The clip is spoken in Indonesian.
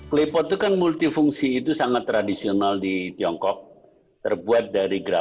klepot itu kan multifungsi itu sangat tradisional di tiongkok dan juga di indonesia juga karena klepot itu sangat tradisional di tiongkok